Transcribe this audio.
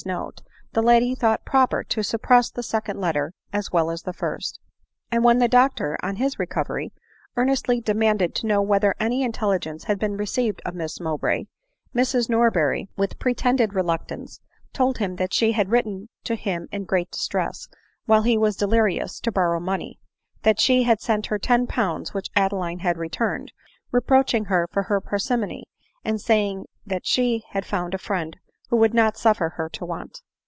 269 ry's note, that lady thought proper to suppress the second letter as well as the first; and when the doctor, on his recovery, earnestly demanded to know whether any in telligence had been received of Miss Mowbray, Mrs Norberry, with pretended reluctance, told him that she had written to him in great distress, while he was deli rious, to borrow money ; that she had sent her ten pounds, which Adeline bad returned, reproaching her for her par simony, and saying that she had found a friend who would not suffer her to want.